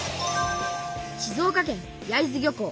静岡県焼津漁港。